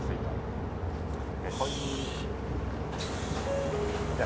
よし。